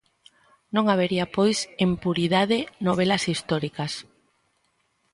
Non habería pois en puridade novelas históricas.